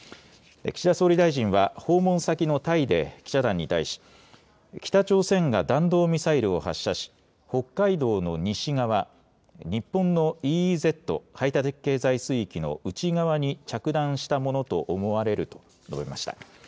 岸田総理大臣は訪問先のタイで記者団に対し北朝鮮が弾道ミサイルを発射し北海道の西側、日本のＥＥＺ・排他的経済水域の内側に着弾したものと思われると述べました。